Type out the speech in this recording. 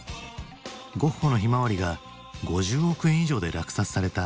ゴッホの「ひまわり」が５０億円以上で落札された８７年。